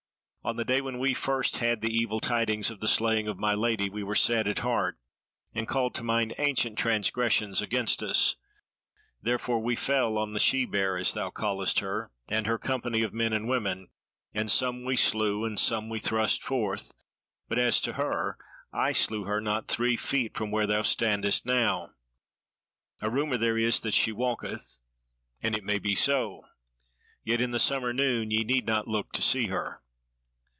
On the day when we first had the evil tidings of the slaying of my Lady we were sad at heart, and called to mind ancient transgressions against us; therefore we fell on the she bear, as thou callest her, and her company of men and women, and some we slew and some we thrust forth; but as to her, I slew her not three feet from where thou standest now. A rumour there is that she walketh, and it may be so; yet in the summer noon ye need not look to see her."